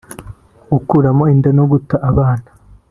Gukuramo inda no guta abana